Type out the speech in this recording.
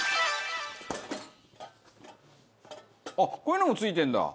あっこういうのも付いてるんだ。